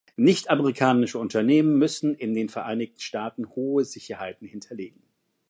Nichtamerikanische Unternehmen müssen in den Vereinigten Staaten hohe Sicherheiten hinterlegen.